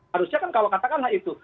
harusnya kan kalau katakanlah itu